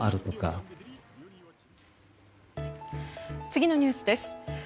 次のニュースです。